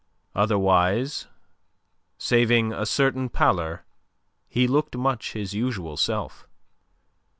Otherwise, saving a certain pallor, he looked much his usual self.